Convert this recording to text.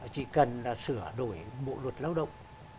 chỉ cần là sửa đổi bộ luật lao động